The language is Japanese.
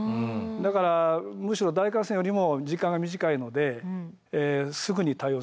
だからむしろ大河川よりも時間が短いのですぐに対応する必要がある。